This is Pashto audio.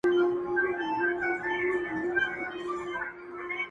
o څومره چي تیاره وي څراغ ښه ډېره رڼا کوي,